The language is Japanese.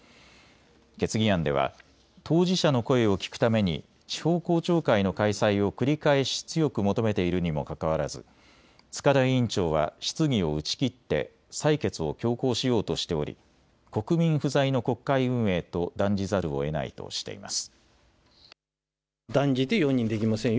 決議案では当事者の声を聞くために地方公聴会の開催を繰り返し強く求めているにもかかわらず塚田委員長は質疑を打ち切って採決を強行しようとしており国民不在の国会運営と断じざるをえないとしています。